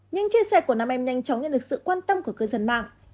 những chia sẻ của nam em nhanh chóng nhận được sự quan tâm của cư dân mạng